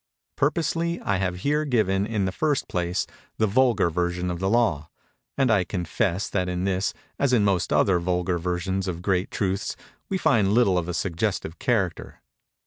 Purposely, I have here given, in the first place, the vulgar version of the law; and I confess that in this, as in most other vulgar versions of great truths, we find little of a suggestive character.